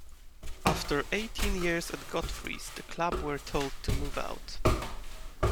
After eighteen years at Godfrey's, the club were told to move out.